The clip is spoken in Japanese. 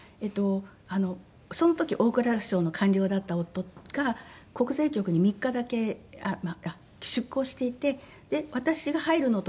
その時大蔵省の官僚だった夫が国税局に３日だけ出向していて私が入るのと。